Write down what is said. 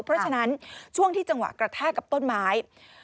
เพราะฉะนั้นช่วงที่จังหวะกระแทกกับต้นไม้